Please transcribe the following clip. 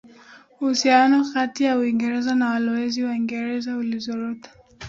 Uhusiano kati ya Uingereza na walowezi Waingereza ulizorota